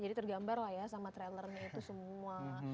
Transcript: jadi tergambar lah ya sama trailernya itu semua